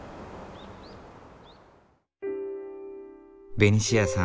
ベニシアさん